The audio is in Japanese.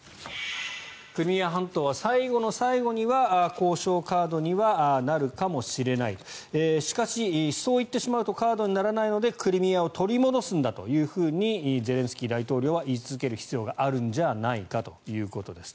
クリミア半島は最後の最後には交渉カードにはなるかもしれないしかし、そう言ってしまうとカードにならないのでクリミアを取り戻すんだというふうにゼレンスキー大統領は言い続ける必要があるんじゃないかということです。